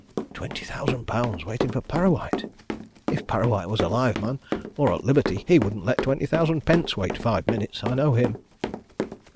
Twenty thousand pounds waiting for Parrawhite! If Parrawhite was alive, man, or at liberty, he wouldn't let twenty thousand pence wait five minutes! I know him!"